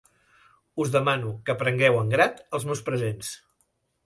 Us demano que prengueu en grat els meus presents.